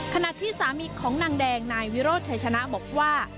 ขณะที่สามีของนางแดงนายวิโรธชัยชนะบอกว่า